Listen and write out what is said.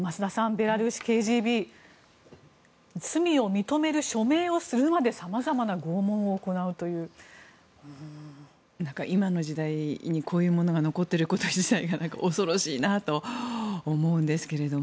ベラルーシＫＧＢは罪を認める署名をするまでさまざまな拷問を今の時代にこういうものが残っていること自体が恐ろしいなと思うんですが。